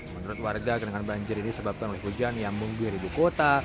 menurut warga kenangan banjir ini sebabkan oleh hujan yang menggiribu kota